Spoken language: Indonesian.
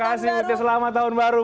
terima kasih selamat tahun baru